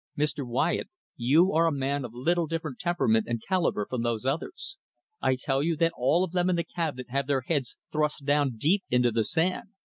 Mr. Wyatt, you are a man of a little different temperament and calibre from those others. I tell you that all of them in the Cabinet have their heads thrust deep down into the sand.